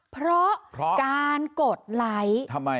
เพราะการกดไลค์